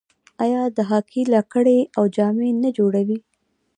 آیا د هاکي لکړې او جامې نه جوړوي؟